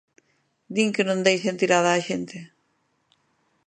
Din que non deixan tirada a xente.